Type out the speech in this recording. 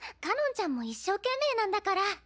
かのんちゃんも一生懸命なんだから。